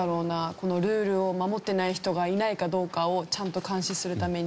このルールを守ってない人がいないかどうかをちゃんと監視するためにって事ですかね？